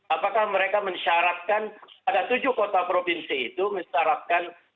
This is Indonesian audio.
apakah mereka mensyarapkan ada tujuh kota provinsi itu mensyarapkan